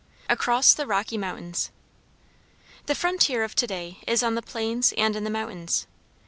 ACROSS THE ROCKY MOUNTAINS The frontier of to day is on the plains and in the mountains.